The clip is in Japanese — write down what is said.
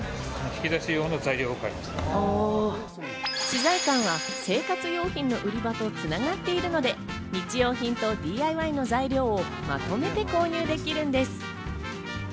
資材館は生活用品の売り場と繋がっているので、日用品とＤＩＹの材料をまとめて購入できるんです。